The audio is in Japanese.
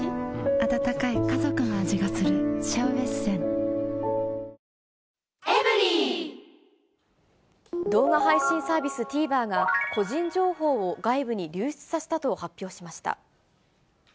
「ＧＯＬＤ」も動画配信サービス、ＴＶｅｒが、個人情報を外部に流出させたと発表しました。